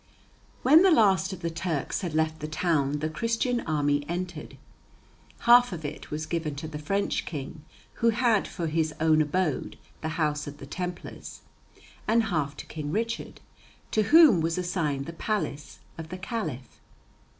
When the last of the Turks had left the town the Christian army entered. Half of it was given to the French king, who had for his own abode the House of the Templars, and half to King Richard, to whom was assigned the palace of the Caliph.